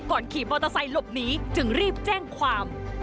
ขี่มอเตอร์ไซค์หลบหนีจึงรีบแจ้งความ